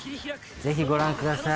ぜひご覧ください。